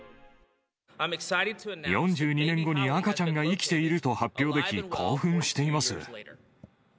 ４２年後に赤ちゃんが生きていると発表でき、興奮しています。